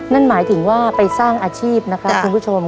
นั่นหมายถึงว่าไปสร้างอาชีพนะครับคุณผู้ชม